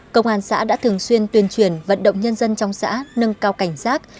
công an xã đã thường xuyên tuyên truyền vận động nhân dân trong xã nâng cao cảnh giác